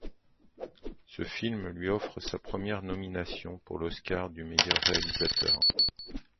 Ce film lui offre sa première nomination pour l'oscar du meilleur réalisateur.